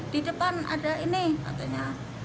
di depan ada ini katanya